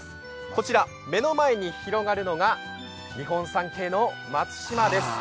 こちら目の前に広がるのが日本三景の松島です。